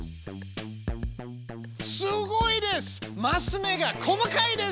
すごいです！